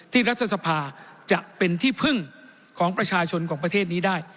รัฐสภาจะเป็นที่พึ่งของประชาชนของประเทศนี้ได้